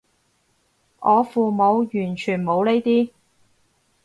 我父母完全冇呢啲